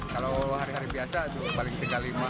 kalau hari hari biasa balik tiga puluh lima